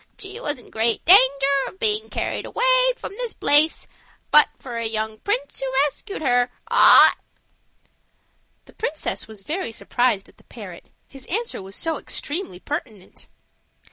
She was in great danger of being carried away from this place but for a young prince who rescued her." The princess was surprised at the parrot, his answer was so extremely pertinent.